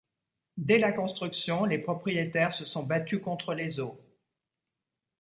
Dès la construction, les propriétaires se sont battus contre les eaux.